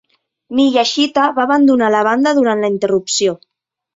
Miyashita va abandonar la banda durant la interrupció.